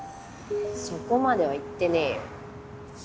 そこまでは言ってねえよ。